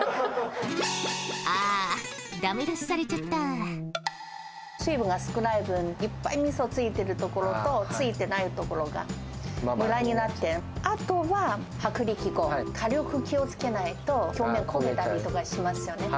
あー、水分が少ない分、いっぱいみそついてる所と、ついてない所がむらになって、後は薄力粉、火力を気をつけないと、表面、焦げたりとかしますよね。